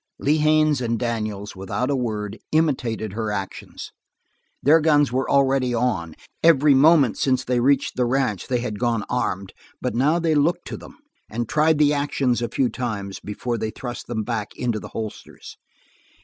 Lee Haines and Daniels, without a word, imitated her actions. Their guns were already on every moment since they reached the ranch they had gone armed but now they looked to them, and tried the actions a few times before they thrust them back into the holsters.